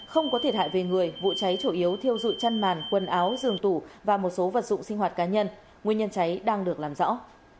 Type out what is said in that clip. không có thiệt hại về người vụ cháy chủ yếu thiêu dụi chăn màn quần áo giường tủ và một số vật dụng sinh hoạt cá nhân nguyên nhân cháy đang được làm rõ